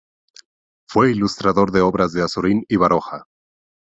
Fue ilustrador de obras de Azorín y Baroja.